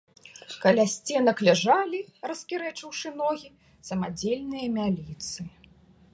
Каля сценак ляжалі, раскірэчыўшы ногі, самадзельныя мяліцы.